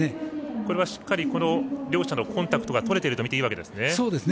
これは、しっかり両者のコンタクトがとれているとみていいわけですね。